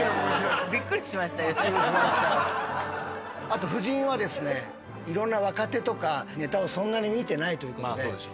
あと夫人はですねいろんな若手とかネタをそんなに見てないということで。